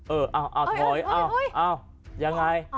เออเอาถอยเอ้ายังไง